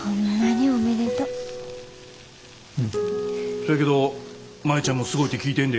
そやけど舞ちゃんもすごいて聞いてんで。